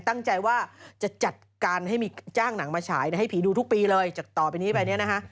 ตั้งใจว่าจะจัดการให้มีจ้างหนังมาฉายให้ผีดูทุกปีเลยจากต่อไปนี้ไปเนี่ยนะฮะ